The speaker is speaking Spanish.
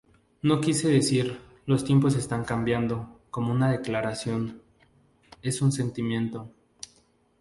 No quise decir "Los tiempos están cambiando" como una declaración... es un sentimiento.